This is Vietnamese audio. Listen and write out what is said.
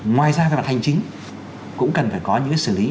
ngoài ra là thành chính cũng cần phải có những xử lý